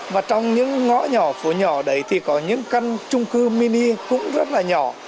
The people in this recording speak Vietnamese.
và trong những ngõ nhỏ phố nhỏ đấy thì có những căn trung cư mini cũng rất là nhỏ